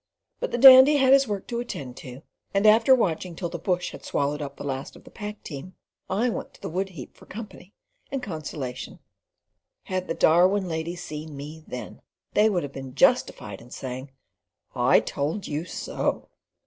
But the Dandy had his work to attend to; and after watching till the bush had swallowed up the last of the pack team, I went to the wood heap for company and consolation. Had the Darwin ladies seen me then, they would have been justified in saying, "I told you so."